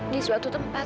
di suatu tempat